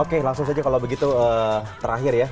oke langsung saja kalau begitu terakhir ya